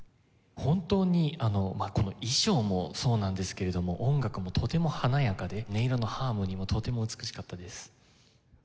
本当にこの衣装もそうなんですけれども音楽もとても華やかで音色のハーモニーもとても美しかったです。